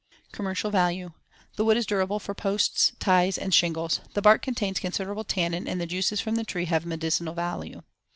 Commercial value: The wood is durable for posts, ties, and shingles. The bark contains considerable tannin and the juices from the tree have a medicinal value.